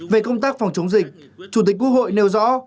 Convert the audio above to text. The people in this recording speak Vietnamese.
về công tác phòng chống dịch chủ tịch quốc hội nêu rõ